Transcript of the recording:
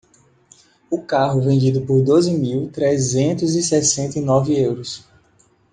O carro vendido por doze mil trezentos e sessenta e nove euros.